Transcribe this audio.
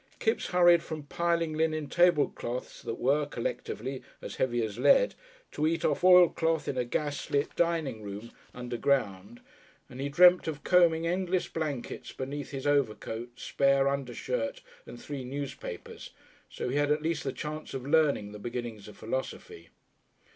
Kipps hurried from piling linen table cloths, that were collectively as heavy as lead, to eat off oil cloth in a gas lit dining room underground; and he dreamt of combing endless blankets beneath his overcoat, spare undershirt, and three newspapers. So he had at least the chance of learning the beginnings of philosophy.